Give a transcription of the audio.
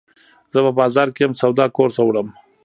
زه په بازار کي یم، سودا کور ته وړم.